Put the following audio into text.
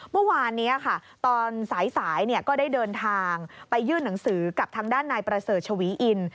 เมื่อวานนี้ค่ะตอนสายก็ได้เดินทางไปยื่นหนังสือกับทางด้านนายประเสริฐชวีอิน